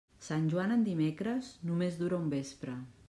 Sant Joan en dimecres, només dura un vespre.